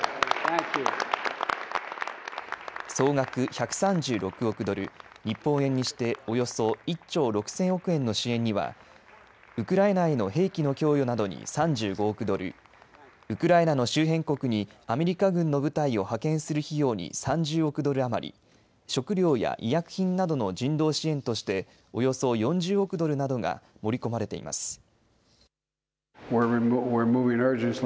総額１３６億ドル、日本円にしておよそ１兆６０００億円の支援にはウクライナへの兵器の供与などに３５億ドル、ウクライナの周辺国にアメリカ軍の部隊を派遣する費用に３０億ドル余り、食料や医薬品などの人道支援としておよそ４０億ドルなどが盛り込まれています。